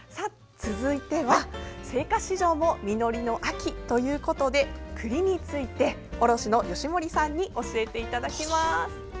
続いては、青果市場も実りの秋ということで栗について、卸の吉守さんに教えていただきます。